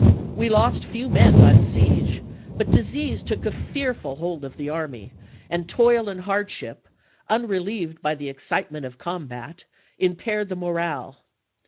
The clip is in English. We lost few men by the siege, but disease took a fearful hold of the army, and toil and hardship, unrelieved by the excitement of combat, im yy ^ paired the morale.